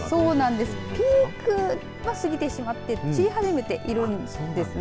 ピークは過ぎてしまって散り始めているんですね。